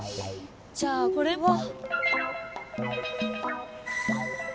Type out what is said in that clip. じゃあこれは。